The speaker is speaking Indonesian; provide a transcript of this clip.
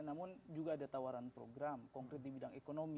namun juga ada tawaran program konkret di bidang ekonomi